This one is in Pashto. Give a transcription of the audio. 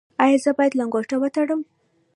ایا زه باید لنګوټه ول تړم؟